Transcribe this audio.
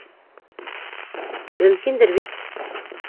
Мөмкиндер бит?